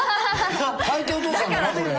大抵お父さんだなこれ。